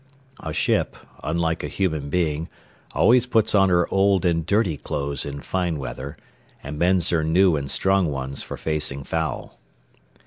A ship, unlike a human being, always puts on her old and dirty clothes in fine weather, and bends her new and strong ones for facing foul.